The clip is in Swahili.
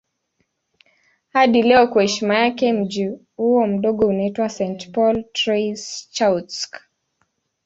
Hadi leo kwa heshima yake mji huo mdogo unaitwa St. Paul Trois-Chateaux.